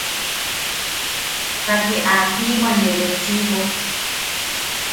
Pake aa jibwanebetchiʼibo.